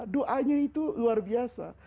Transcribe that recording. doanya itu luar biasa